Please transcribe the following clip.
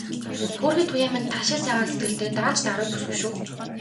Хөөрхий Туяа минь тал шиг сайхан сэтгэлтэй, даанч даруу бүсгүй шүү.